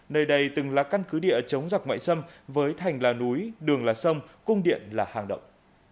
nơi đây từng là căn cứ địa chống dọc ngoại sâm với thành là núi đường là sâm cung điện là hàng động